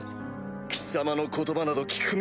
貴様の言葉など聞く